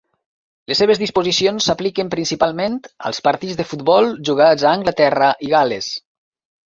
Les seves disposicions s'apliquen principalment als partits de futbol jugats a Anglaterra i Gal·les.